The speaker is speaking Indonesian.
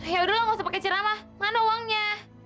yaudahlah gak usah pake ceramah mana uangnya